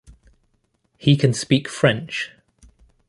He can speak French.